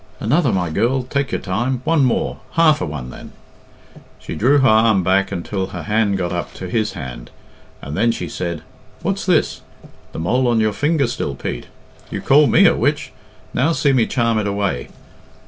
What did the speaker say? "Another, my girl; take your time, one more half a one, then." She drew her arm back until her hand got up to his hand, and then she said, "What's this? The mole on your finger still, Pete? You called me a witch now see me charm it away.